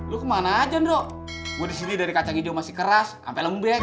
lo kemana aja nro gua disini dari kacang ideo masih keras sampe lembek